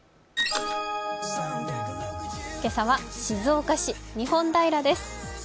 今朝は静岡市・日本平です